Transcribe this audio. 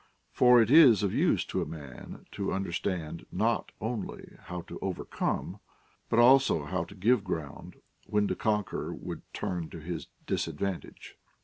For it is of use to a man to understand not only how to overcome, but also how to give ground when to conquer would turn to his disadvantage.